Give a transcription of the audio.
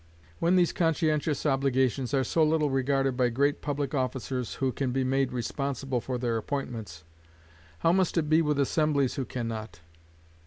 When these conscientious obligations are so little regarded by great public officers who can be made responsible for their appointments, how must it be with assemblies who can not?